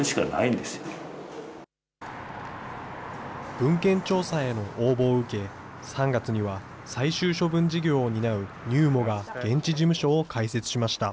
文献調査への応募を受け、３月には、最終処分事業を担うＮＵＭＯが現地事務所を開設しました。